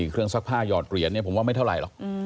เครื่องซักผ้าหยอดเหรียญผมว่าไม่เท่าไหร่หรอก